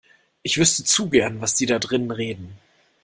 Ich wüsste zu gern, was die da drinnen reden.